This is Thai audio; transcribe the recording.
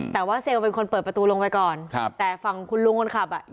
แต่ว่าเซลล์เป็นคนเปิดประตูลงไปก่อนครับแต่ฝั่งคุณลุงคนขับอ่ะ